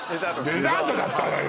デザートだったわよ